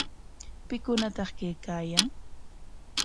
¿Pikunataq kaykaayan?